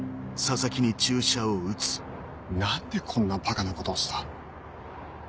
何でこんなばかなことをした？